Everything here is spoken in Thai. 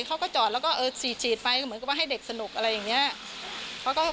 เขาก็จอดแล้วก็เออฉีดฉีดไฟก็เหมือนกับว่าให้เด็กสนุกอะไรอย่างนี้